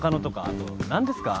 後何ですか？